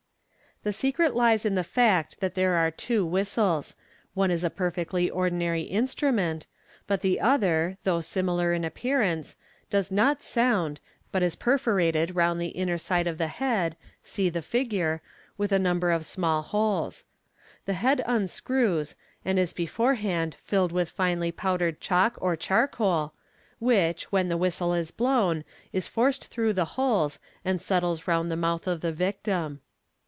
The secret lies in the fact that there are two whistles — one is a perfectly ordinary instrument, but the other, though similar in appear ance, does not sound, bat is perforated round the inner side of the 342 MODERN MAGIC. head (see the Figure) with a number of small holes. The head unscrews, and is beforehand filled with finely powdered chalk or charcoal, which, when the whistle is blown, is forced through the holes, and settles round the mouth of the victim.